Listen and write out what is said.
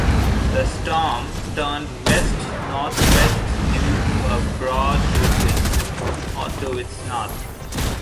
The storm turned west-northwest due to a broad ridge to its north.